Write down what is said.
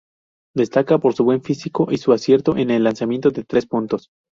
Destaca por su buen físico y su acierto en el lanzamiento de tres puntos.